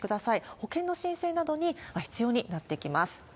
保険の申請などに必要になってきます。